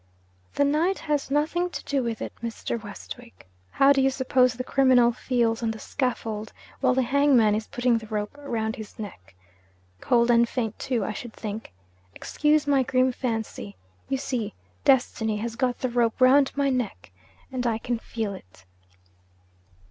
'The night has nothing to do with it, Mr. Westwick. How do you suppose the criminal feels on the scaffold, while the hangman is putting the rope around his neck? Cold and faint, too, I should think. Excuse my grim fancy. You see, Destiny has got the rope round my neck and I feel it.'